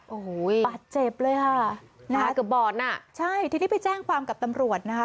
โอ้โหปัดเจ็บเลยค่ะนะคะใช่ที่นี่ไปแจ้งความกับตำรวจนะคะ